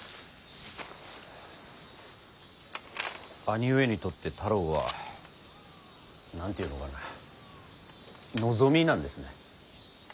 兄上にとって太郎は何て言うのかな望みなんですね。